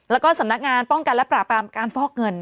แล้วก็สำนักงานป้องกันและปราบปรามการฟอกเงิน